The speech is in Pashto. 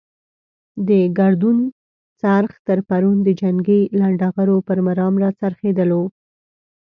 د ګردون څرخ تر پرون د جنګي لنډه غرو پر مرام را څرخېدلو.